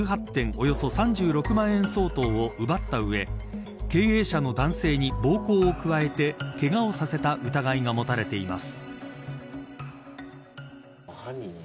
およそ３６万円相当を奪った上経営者の男性に暴行を加えてけがをさせた疑いが持たれています。